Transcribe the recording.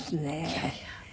いやいや。